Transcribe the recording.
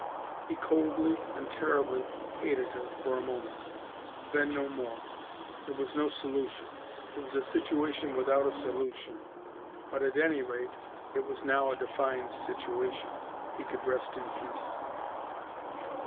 He coldly and terribly hated her, for a moment. Then no more. There was no solution. It was a situation without a solution. But at any rate, it was now a defined situation. He could rest in peace.